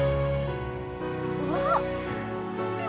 alhamdulillah terima kasih sunan